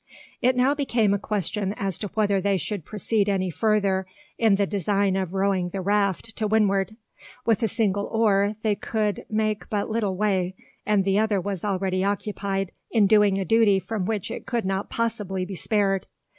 It now became a question as to whether they should proceed any further in the design of rowing the raft to windward. With a single oar they could make but little way; and the other was already occupied in doing a duty from which it could not possibly be spared.